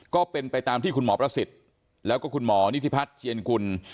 ก็เป็นไปตามที่คุณหมอประสิทธิ์แล้วก็คุณหมอนิธิพัฒน์เจียนกุล